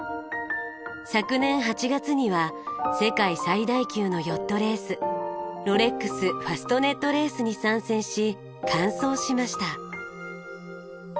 昨年８月には世界最大級のヨットレースロレックスファストネットレースに参戦し完走しました。